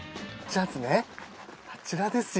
あちらですよ。